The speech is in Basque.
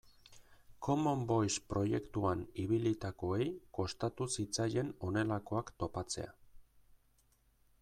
Common Voice proiektuan ibilitakoei kostatu zitzaien honelakoak topatzea.